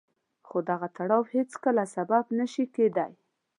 خو دغه تړاو هېڅکله سبب نه شي کېدای.